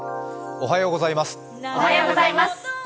おはようございます。